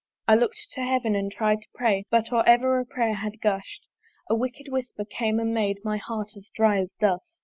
I look'd to Heaven, and try'd to pray; But or ever a prayer had gusht, A wicked whisper came and made My heart as dry as dust.